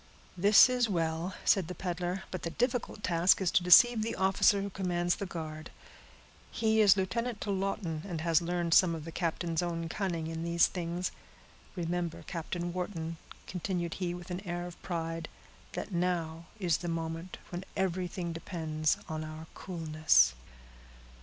"This is well," said the peddler; "but the difficult task is to deceive the officer who commands the guard—he is lieutenant to Lawton, and has learned some of the captain's own cunning in these things. Remember, Captain Wharton," continued he with an air of pride, "that now is the moment when everything depends on our coolness."